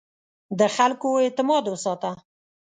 د خلکو اعتماد وساته.